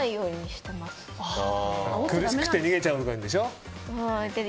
苦しくて逃げちゃうからでしょ。